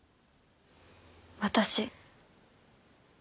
私。